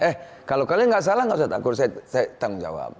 eh kalau kalian nggak salah nggak usah takut saya tanggung jawab